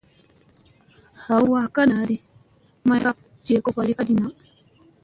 Ɦawa ka naa ɗi may kak ge ko vaa li ka di na.